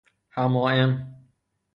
حمائم